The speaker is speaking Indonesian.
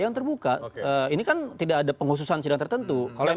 yang terbuka ini kan tidak ada penghususan sidang tertentu